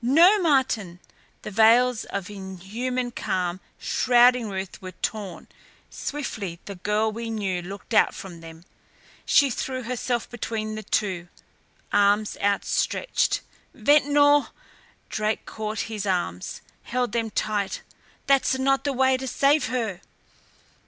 No, Martin!" the veils of inhuman calm shrouding Ruth were torn; swiftly the girl we knew looked out from them. She threw herself between the two, arms outstretched. "Ventnor!" Drake caught his arms, held them tight; "that's not the way to save her!"